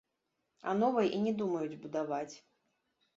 А новай і не думаюць будаваць.